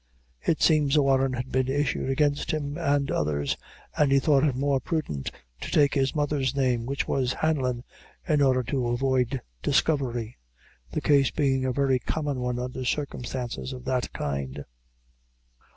It seems a warrant had been issued against him and others, and he thought it more prudent to take his mother's name, which was Hanlon, in order to avoid discovery, the case being a very common one under circumstances of that kind."